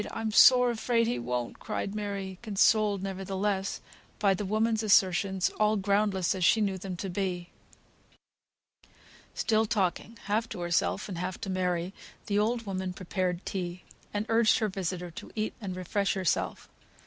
I'm sore afraid he won't," cried Mary, consoled, nevertheless, by the woman's assertions, all groundless as she knew them to be. Still talking half to herself and half to Mary, the old woman prepared tea, and urged her visitor to eat and refresh herself.